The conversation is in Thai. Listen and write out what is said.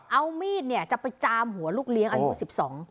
เอามีดจับไปจามหัวลูกเลี้ยงอายุ๑๒